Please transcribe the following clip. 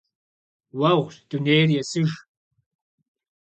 Уэгъущ дунейр, есыж.